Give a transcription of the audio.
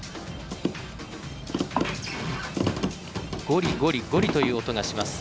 ゴリゴリゴリという音がします。